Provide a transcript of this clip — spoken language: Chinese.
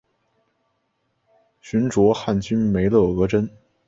寻擢汉军梅勒额真。